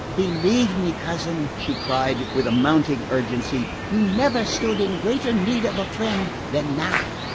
Believe me, cousin," she cried with a mounting urgency, "you never stood in greater need of a friend than now.